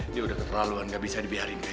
dia udah keterlaluan nggak bisa dibiarin kayak gini